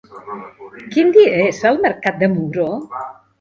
Quin dia és el mercat de Muro?